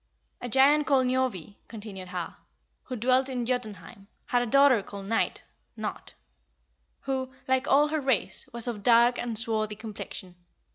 10. "A giant called Njorvi," continued Har, "who dwelt in Jotunheim, had a daughter called Night (Nott) who, like all her race, was of a dark and swarthy complexion.